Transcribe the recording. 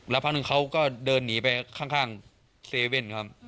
แล้วพักนึงเขาก็เดินหนีไปข้างเซเว่นครับ